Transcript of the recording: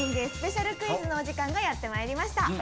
スペシャルクイズのお時間がやってまいりました。